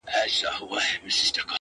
دا دی بل اختر هم راغی او تیرېږي